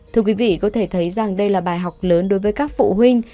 thưa quý vị có thể thấy rằng đây là bài học lớn đối với các phụ huynh